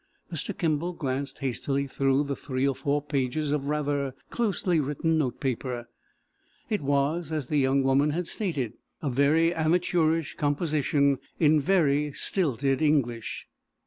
Mr. Kimball glanced hastily through the three or four pages of rather closely written note paper. It was, as the young woman had stated, a very amateurish composition, in very stilted English.